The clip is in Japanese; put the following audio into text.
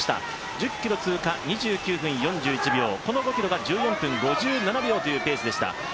１０ｋｍ通過２９分４１秒、この５ｋｍが１４分５７秒というペースでした。